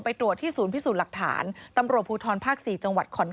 โปรดติดตามต่างกรรมโปรดติดตามต่างกรรม